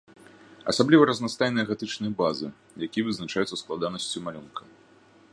Асабліва разнастайныя гатычныя базы, якія вызначаюцца складанасцю малюнка.